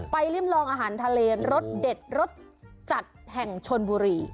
ริมลองอาหารทะเลรสเด็ดรสจัดแห่งชนบุรี